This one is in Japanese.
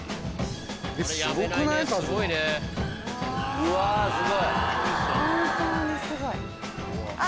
うわすごい。